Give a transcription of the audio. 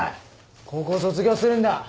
高校卒業するんだ。